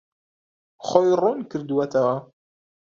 خۆی ڕوون کردووەتەوە.